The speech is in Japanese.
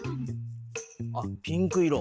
あっピンク色。